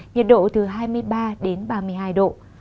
nhiệt độ từ hai mươi ba đến ba mươi hai độ